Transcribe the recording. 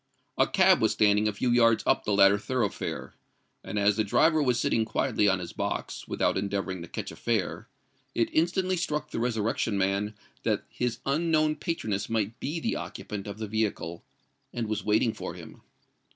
A cab was standing a few yards up the latter thoroughfare; and as the driver was sitting quietly on his box, without endeavouring to catch a fare, it instantly struck the Resurrection Man that his unknown patroness might be the occupant of the vehicle, and was waiting for him.